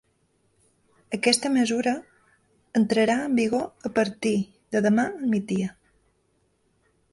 Aquesta mesura entrarà en vigor a partir de demà al migdia.